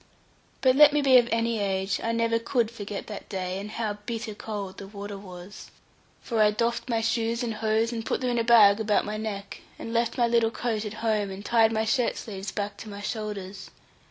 But let me be of any age, I never could forget that day, and how bitter cold the water was. For I doffed my shoes and hose, and put them into a bag about my neck; and left my little coat at home, and tied my shirt sleeves back to my shoulders.